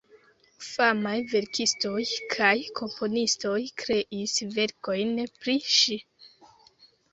Famaj verkistoj kaj komponistoj kreis verkojn pri ŝi.